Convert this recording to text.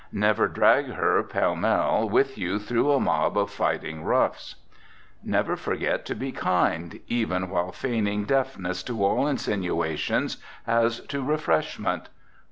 Never drag her, pell mell, with you through a mob of fighting roughs. Never forget to be kind, even while feigning deafness to all insinuations as to refreshment.